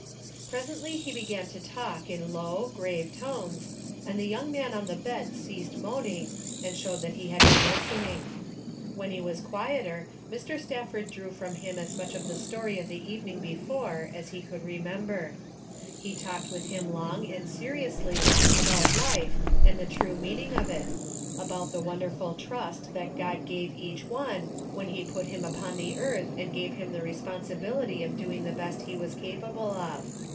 Presently he began to talk in low, grave tones, and the young man on the bed ceased moaning and showed that he was listening. When he was quieter, Mr. Stafford drew from him as much of the story of the evening before as he could remember. He talked with him long and seriously about life and the true mean ing of it, about the wonderful trust that God gave each one, when he put him upon the earth and gave him the responsibility of doing the best he was capable of.